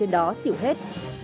đó xỉu hết